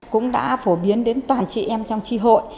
cũng đã phổ biến đến toàn chị em trong tri hội